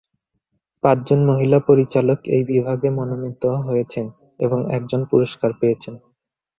পাঁচজন মহিলা পরিচালক এই বিভাগে মনোনীত হয়েছেন, এবং একজন পুরস্কার পেয়েছেন।